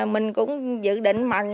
mình cũng dự định mần